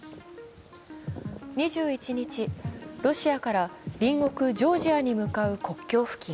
２１日、ロシアから隣国ジョージアに向かう国境付近。